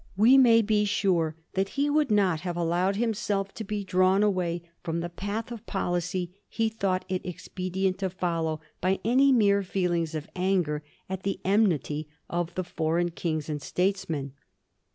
We may be sure that he would not have allowed himself to be drawn away from the path of policy he thought it expe dient to follow by any mere feelings of anger at the en mity of the foreign kings and statesmen.